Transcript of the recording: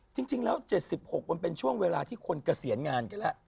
จริงแล้ว๗๖มันเป็นช่วงเวลาที่คนเกษียณงานกันแล้ว